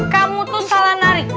kamu tuh salah nari